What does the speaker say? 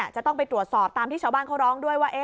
จะต้องไปตรวจสอบตามที่ชาวบ้านเขาร้องด้วยว่า